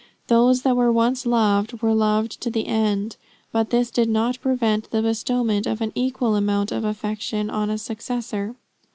Those that were once loved were loved to the end; but this did not prevent the bestowment of an equal amount of affection on a successor."